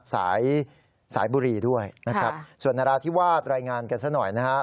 สายสายบุรีด้วยนะครับส่วนนราธิวาสรายงานกันซะหน่อยนะฮะ